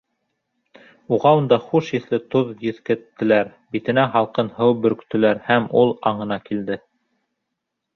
Уға унда хуш еҫле тоҙ еҫкәттеләр, битенә һалҡын һыу бөрктөләр һәм ул аңына килде.